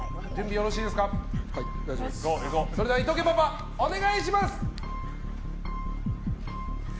それでは、伊藤家パパお願いします。